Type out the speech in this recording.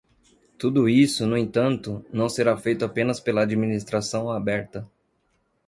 Tudo isso, no entanto, não será feito apenas pela Administração Aberta.